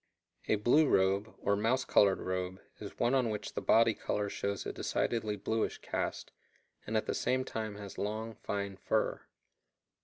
A "blue robe" or "mouse colored (?) robe" is one on which the body color shows a decidedly bluish cast, and at the same time has long, fine fur.